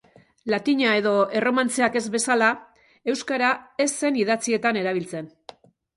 Latina edo erromantzeak ez bezala, euskara ez zen idatzietan erabiltzen.